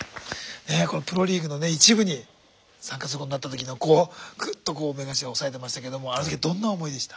このプロリーグの１部に参加することになった時のこうグッと目頭押さえてましたけどあの時はどんな思いでした？